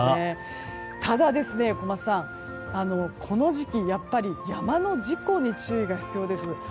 ただ、小松さんこの時期、やっぱり山の事故に注意が必要です。